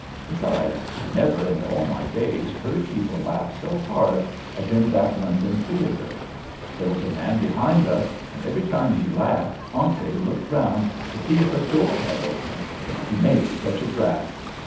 Besides, I never in all my days heard people laugh so hard as in that London theatre. There was a man behind us, and every time he laughed auntie looked round to see if a door had opened, he made such a draught.